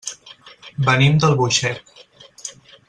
Venim d'Albuixec.